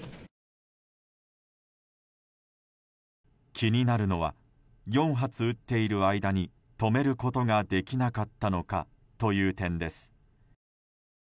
気になるのは４発撃っている間に止めることができなかったのかという点です。